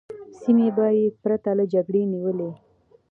سیمې به یې پرته له جګړې نیولې.